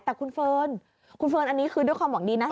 แต่คุณเฟิร์นคุณเฟิร์นอันนี้คือด้วยความหวังดีนะ